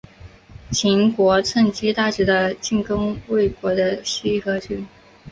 秦国趁机大举的进攻魏国的西河郡。